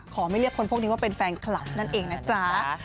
ไม่เรียกคนพวกนี้ว่าเป็นแฟนคลับนั่นเองนะจ๊ะ